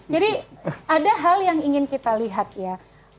jadi ada hal yang ingin kita lihat ya